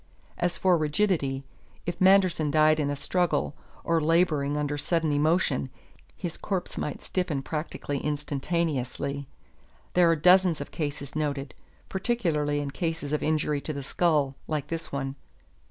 As for rigidity, if Manderson died in a struggle, or laboring under sudden emotion, his corpse might stiffen practically instantaneously: there are dozens of cases noted, particularly in cases of injury to the skull, like this one.